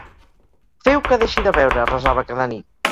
"Feu que deixi de beure", resava cada nit.